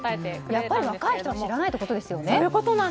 やっぱり若い人は知らないということですよね。